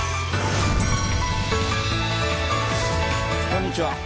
こんにちは。